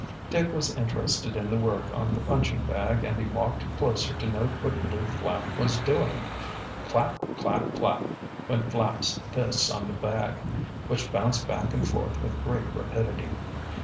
Dick was interested in the work on the punching bag, and he walked closer to note what Lew Flapp was doing. Clap! clap! clap! went Flapp's fists on the bag, which bounced back and forth with great rapidity.